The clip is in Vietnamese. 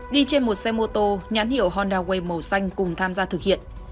đi trên một xe mô tô nhãn hiệu honda wave màu xanh cùng tham gia thực hiện